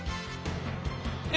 え！